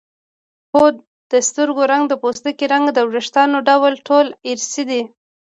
هو د سترګو رنګ د پوستکي رنګ او د وېښتانو ډول ټول ارثي دي